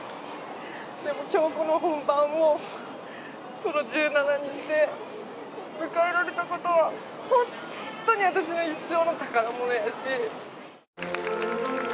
でも今日この本番をこの１７人で迎えられたことは本当に私の一生の宝物やし。